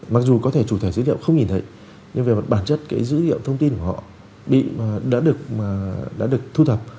mặc dù có thể chủ thể xử lý dữ liệu không nhìn thấy nhưng về bản chất dữ liệu thông tin của họ đã được thu thập